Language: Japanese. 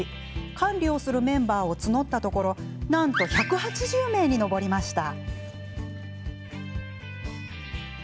管理をするメンバーを募ったところなんと１８０名に上りました。